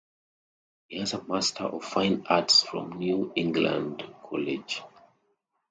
He has a Master of Fine Arts from New England College.